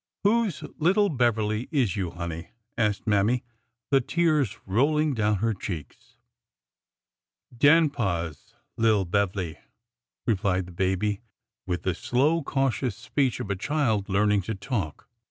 " Whose little Beverly is you, honey ?" asked Mammy, the tears rolling down her cheeks. 400 ORDER NO. 11 Dan 'pa's li'l'— Bev'ly," replied the baby, with the slow, cautious speech of a child learning to talk.